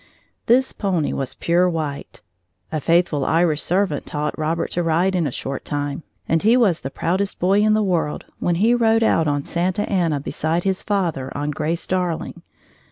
This pony was pure white. A faithful Irish servant taught Robert to ride in a short time, and he was the proudest boy in the world when he rode out on Santa Anna beside his father on Grace Darling.